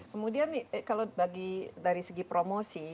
kemudian nih kalau bagi dari segi promosi